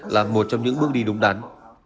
là một trong những bước đi đúng đắn